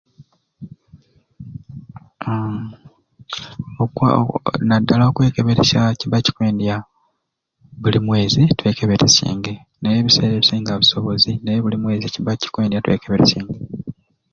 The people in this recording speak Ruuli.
Hmmm okwa ku nadala okwekeberesya kiba kikwendya buli mwezi twekeberesyenge naye ebiseera ebisinga busobozi Nate buli mwezi kiba kikwendya twekeberesyenge